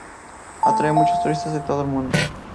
Atrae a muchos turistas de todo el mundo.